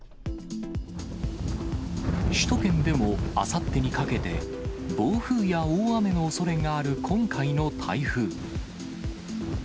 首都圏でも、あさってにかけて、暴風や大雨のおそれがある今回の台風。